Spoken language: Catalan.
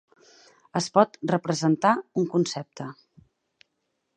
Es pot representar un concepte.